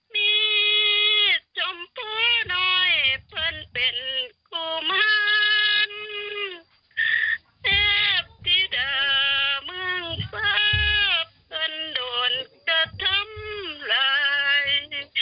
มีจมพุน้อยเพิ่งเป็นกุมันแทฟทิดาเมืองฟ้าเพิ่งโดนกระทำราย